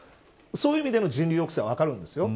そういう意味での人流抑制は分かるんです。